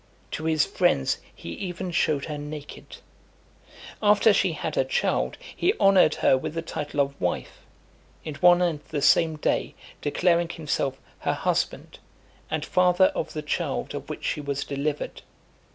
To his friends he even showed her naked. After she had a child, he honoured her with the title of wife; in one and the same day, declaring himself her husband, and father of the child of which she was delivered.